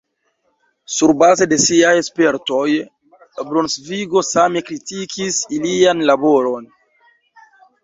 Surbaze de siaj spertoj, Brunsvigo same kritikis ilian laboron.